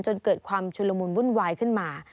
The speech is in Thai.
จนเกิดความชุลมุนวุ่นวายขึ้นมา